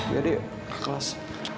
ya deh kelas